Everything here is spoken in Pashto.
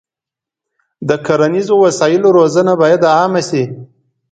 د کرنیزو وسایلو روزنه باید عامه شي.